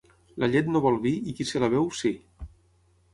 La llet no vol vi i qui se la beu, sí.